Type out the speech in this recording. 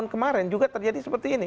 kemarin juga terjadi seperti ini